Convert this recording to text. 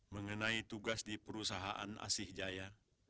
mengenai tugas di perusahaan asih jaya